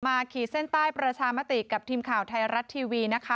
ขีดเส้นใต้ประชามติกับทีมข่าวไทยรัฐทีวีนะคะ